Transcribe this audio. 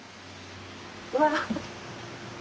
うわ。